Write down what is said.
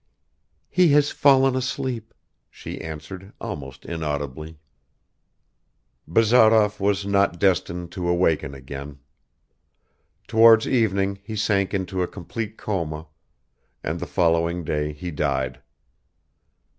"He has fallen asleep," she answered, almost inaudibly. Bazarov was not destined to awaken again. Towards evening he sank into a complete coma, and the following day he died.